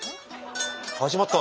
始まった。